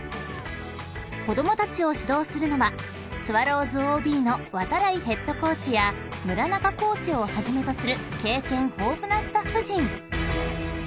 ［子供たちを指導するのはスワローズＯＢの度会ヘッドコーチや村中コーチをはじめとする経験豊富なスタッフ陣］